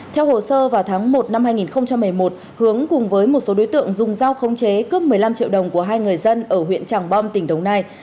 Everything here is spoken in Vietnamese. theo hồ sơ vào tháng một năm hai nghìn một mươi một hướng cùng với một số đối tượng dùng dao khống chế cướp một mươi năm triệu đồng của hai người dân ở huyện tràng bom tỉnh đồng nai